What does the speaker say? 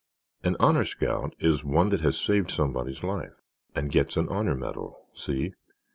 An Honor Scout is one that has saved somebody's life—and gets an honor medal—see?